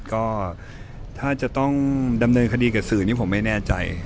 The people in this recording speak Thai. ก็ถ้าจะต้องดำเนินคดีกับสื่อนี่ผมไม่แน่ใจ